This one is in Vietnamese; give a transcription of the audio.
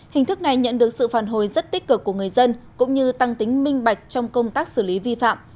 hình thức này nhận được sự phản hồi rất tích cực của người dân cũng như tăng tính minh bạch trong công tác xử lý vi phạm